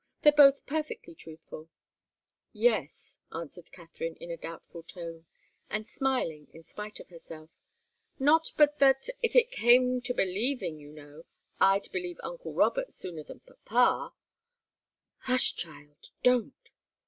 They're both perfectly truthful " "Yes," answered Katharine in a doubtful tone, and smiling in spite of herself. "Not but that, if it came to believing, you know, I'd believe uncle Robert sooner than papa " "Hush, child don't!"